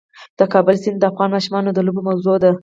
د کابل سیند د افغان ماشومانو د لوبو موضوع ده.